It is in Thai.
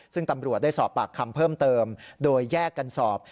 ซึ่งตำรวจได้สอบปากคำเพิ่มเติมโดยแยกกันสอบ